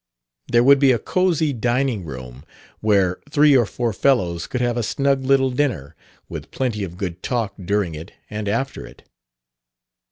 There would be a cozy dining room where three or four fellows could have a snug little dinner, with plenty of good talk during it and after it.